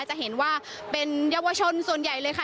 จะเห็นว่าเป็นเยาวชนส่วนใหญ่เลยค่ะ